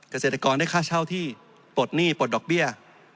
เกษตรกรได้ค่าเช่าที่ปลดหนี้ปลดดอกเบี้ย